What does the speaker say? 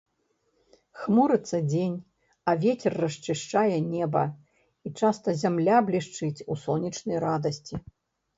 Хмурыцца дзень, а вецер расчышчае неба, і часта зямля блішчыць у сонечнай радасці.